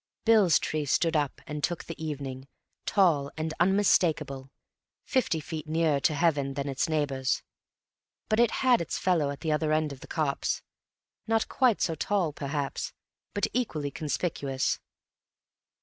Bill's tree stood up and took the evening, tall and unmistakable, fifty feet nearer to heaven than its neighbours. But it had its fellow at the other end of the copse, not quite so tall, perhaps, but equally conspicuous.